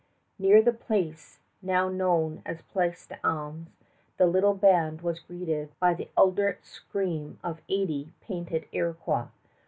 Near the place now known as Place d'Armes the little band was greeted by the eldritch scream of eighty painted Iroquois.